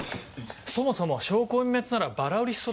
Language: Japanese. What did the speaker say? そもそも証拠隠滅ならバラ売りしそうだし。